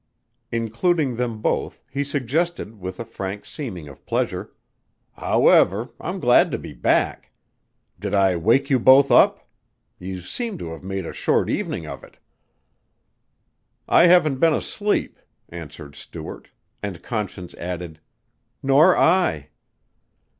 Including them both, he suggested with a frank seeming of pleasure. "However, I'm glad to be back. Did I wake you both up? You seem to have made a short evening of it." "I haven't been asleep," answered Stuart, and Conscience added: "Nor I."